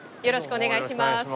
よろしくお願いします。